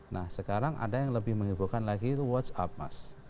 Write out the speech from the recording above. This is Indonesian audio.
nah sekarang ada yang lebih menghiburkan lagi itu whatsapp mas